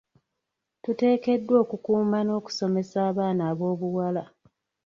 Tuteekeddwa okukuuma n'okusomesa abaana ab'obuwala.